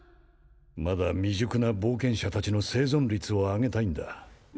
まだ未熟な冒険者達の生存率を上げたいんだ